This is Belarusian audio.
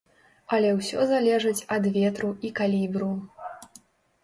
Але ўсё залежыць ад ветру і калібру.